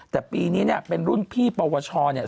แต่ปีนี้เนี่ยเป็นรุ่นพี่ปวชเนี่ย